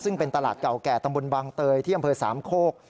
ซึ่งเป็นตลาดเก่าแก่ตำบลบางเตยที่อำเภอสามโคก